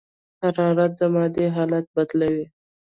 حرارت د مادې حالت بدلوي.